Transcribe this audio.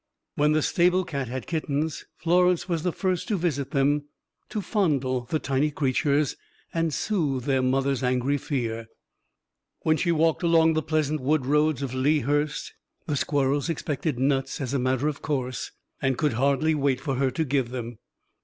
When the stable cat had kittens, Florence was the first to visit them, to fondle the tiny creatures and soothe their mother's angry fear. When she walked along the pleasant wood roads of Lea Hurst, the squirrels expected nuts as a matter of course, and could hardly wait for her to give them.